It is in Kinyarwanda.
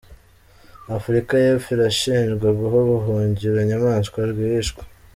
Afurika y’Epfo irashinjwa guha ubuhungiro Nyamwasa rwihishwa